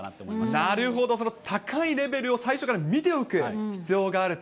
なるほど、高いレベルを最初から見ておく必要があると。